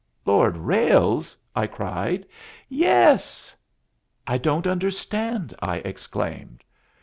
"Lord Ralles!" I cried. "Yes." "I don't understand," I exclaimed.